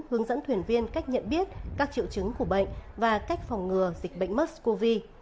hướng dẫn thuyền viên cách nhận biết các triệu chứng của bệnh và cách phòng ngừa dịch bệnh mexcov